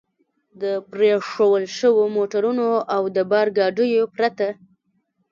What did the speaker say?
د پرېښوول شوو موټرو او د بار ګاډیو پرته.